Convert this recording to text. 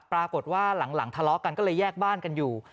ปรากฏว่าหลังทะเลาะกันก็เลยแยกบ้านกันอยู่